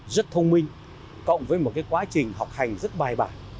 rất thông minh cộng với một cái quá trình học hành rất bài bản